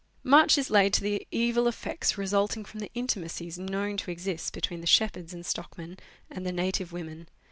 Much is laid to the evil effects resulting from the intimacies known to exist between the shepherds and stockmen, and the native women.